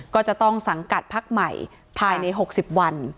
ก็จะต้องสังกัดพักใหม่ภายใน๖๐วัน